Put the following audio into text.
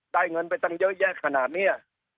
เงินไปตั้งเยอะแยะขนาดนี้